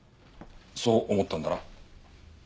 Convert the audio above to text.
そう思ったんだな？